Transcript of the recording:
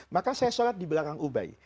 maka saya sholat di belakang ubai